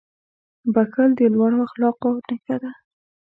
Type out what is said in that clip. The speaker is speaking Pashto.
• بښل د لوړو اخلاقو نښه ده.